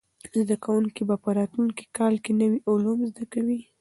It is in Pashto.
زده کوونکي به په راتلونکي کال کې نوي علوم زده کوي.